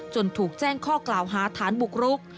ถูกแจ้งข้อกล่าวหาฐานบุกรุก